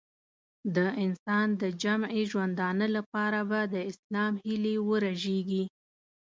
د انسان د جمعي ژوندانه لپاره به د اسلام هیلې ورژېږي.